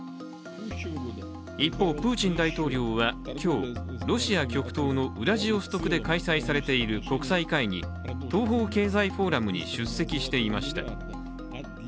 一方、プーチン大統領は今日ロシア極東のウラジオストクで開催されている国際会議、東方経済フォーラムに出席していました。